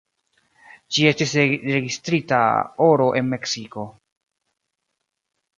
Ĝi estis registrita oro en Meksiko.